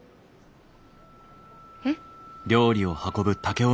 えっ？